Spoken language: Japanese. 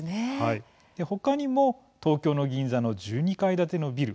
他にも東京の銀座の１２階建てのビル